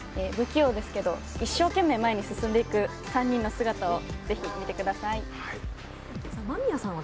不器用ですけど、一生懸命前に進んでいく３人の姿を、ぜひ見てください。